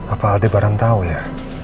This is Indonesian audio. apa aldebaran tau ya